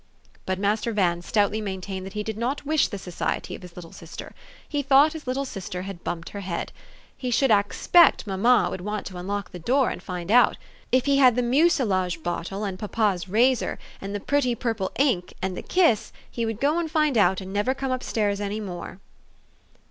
But Master Van stoutly maintained that he did not wish the society of his little sister. He thought his little sister had bumped her head. He should axpect mamma would want to unlock the door, and find out. If he had the mucilage bottle, and papa's razor, and the pretty purple ink (and the kiss), he would go and find out, and never come up stairs any more.